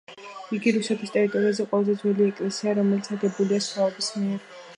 იგი რუსეთის ტერიტორიაზე ყველაზე ძველი ეკლესიაა, რომელიც აგებულია სლავების მიერ.